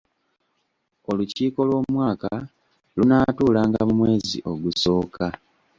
Olukiiko lw'Omwaka lunaatuulanga mu mwezi ogusooka.